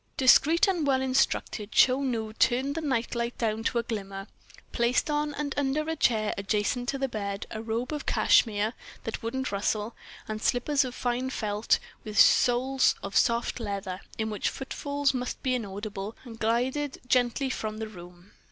Discreet and well instructed, Chou Nu turned the night light down to a glimmer, placed on and under a chair adjacent to the bed a robe of cashmere that wouldn't rustle, and slippers of fine felt with soles of soft leather, in which footfalls must be inaudible—and glided gently from the room.